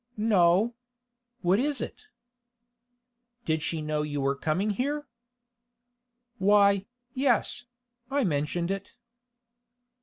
'No. What is it?' 'Did she know you were coming here?' 'Why, yes; I mentioned it.